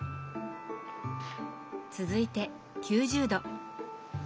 続いて９０℃。